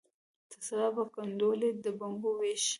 تر سبا به کنډولي د بنګو ویشي